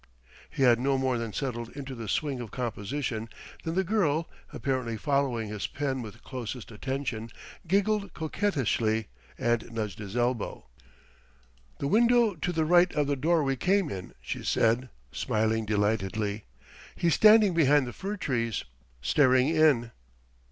He had no more than settled into the swing of composition, than the girl apparently following his pen with closest attention giggled coquettishly and nudged his elbow. "The window to the right of the door we came in," she said, smiling delightedly; "he's standing behind the fir trees, staring in."